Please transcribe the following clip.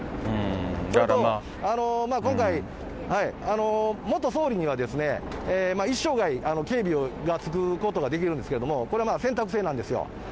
それと、今回、元総理には一生涯、警備がつくことができるんですけれども、これは選択制なんですよ。